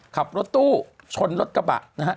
ขับรถตู้ชนรถกระบะนะฮะ